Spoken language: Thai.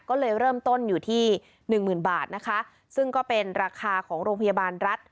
ก็เลยเริ่มต้นอยู่ที่หนึ่งหมื่นบาทนะคะซึ่งก็เป็นราคาของโรงพยาบาลรัฐ